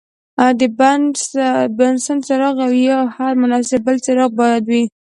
د بنسن څراغ او یا هر مناسب بل څراغ باید وي.